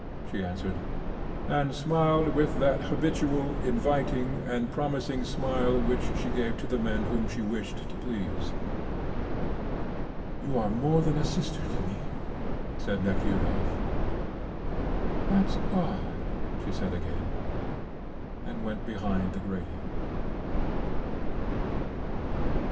she answered, and smiled with that habitual, inviting, and promising smile which she gave to the men whom she wished to please. "You are more than a sister to me," said Nekhludoff. "That's odd," she said again, and went behind the grating.